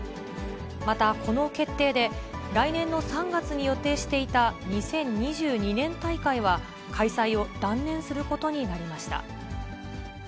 また、この決定で、来年の３月に予定していた２０２２年大会は、開催を断念することになりました。